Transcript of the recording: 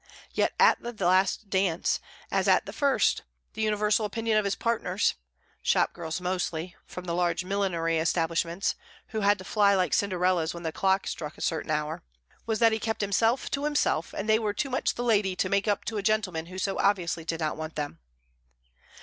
Yet at the last dance, as at the first, the universal opinion of his partners (shop girls, mostly, from the large millinery establishments, who had to fly like Cinderellas when the clock struck a certain hour) was that he kept himself to himself, and they were too much the lady to make up to a gentleman who so obviously did not want them.